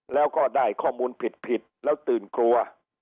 แล้วก็ได้ข้อมูลผิดแล้วตื่นกลัว